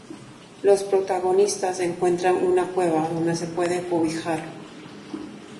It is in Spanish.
Los protagonistas encuentran una cueva donde se pueden cobijar.